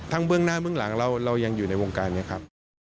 เบื้องหน้าเบื้องหลังเรายังอยู่ในวงการนี้ครับ